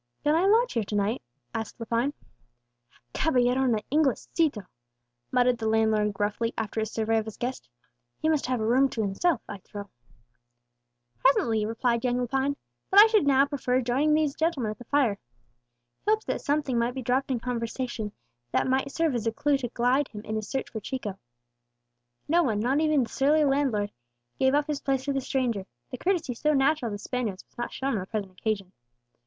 "Can I lodge here to night?" asked Lepine. "A caballero and Inglesito," muttered the landlord gruffly, after his survey of his guest. "He must have a room to himself, I trow." "Presently," replied young Lepine; "but I should now prefer joining these gentlemen at the fire." He hoped that something might be dropped in conversation that might serve as a clue to guide him in his search for Chico. No one, not even the surly landlord, gave up his place to the stranger; the courtesy so natural to Spaniards was not shown on the present occasion.